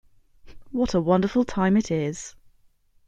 What a wonderful time it is!